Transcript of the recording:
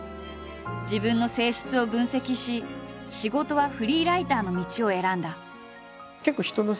自分の性質を分析し仕事はフリーライターの道を選んだ。